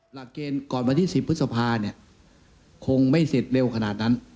หลักเกณฑ์ก่อนวันที่๑๐พฤษภาเนี่ยคงไม่เสร็จเร็วขนาดนั้น